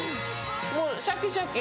もう、シャキシャキ。